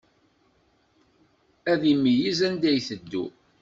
Ad imeyyez anda iteddu.